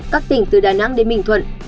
các tỉnh từ đà nẵng đến bình thuận